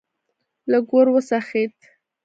لږ ور وڅخېد.